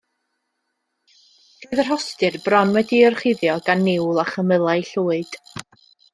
Roedd y rhostir bron wedi'i orchuddio gan niwl a chymylau llwyd.